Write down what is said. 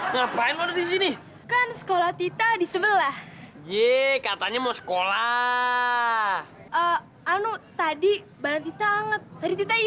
ngapain lo disini kan sekolah tita di sebelah ye katanya mau sekolah